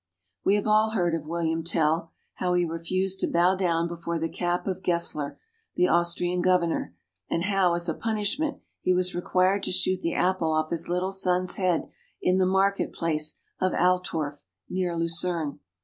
We have all heard of William Tell ; how he refused to bow down before the cap of Gessler, the Austrian governor, and how, as a punishment, he was required to shoot the apple off his little son's head in the market place of Altorf near Lucerne.